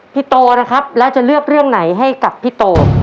โตนะครับแล้วจะเลือกเรื่องไหนให้กับพี่โต